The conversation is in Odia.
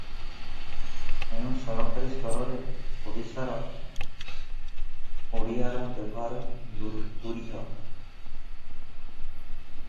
ଏଣୁ ସରକାରୀ ସ୍ତରରେ ଓଡ଼ିଆର ବ୍ୟବହାର ଦୂରୁହ ।